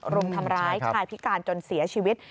รุมทำร้ายชายพิการจนเสียชีวิต